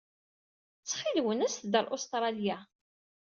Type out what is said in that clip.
Ttxil-wen, aset-d ɣer Ustṛalya.